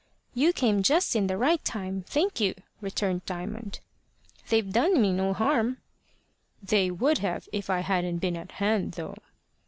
"You came just in the right time, thank you," returned Diamond. "They've done me no harm." "They would have if I hadn't been at hand, though."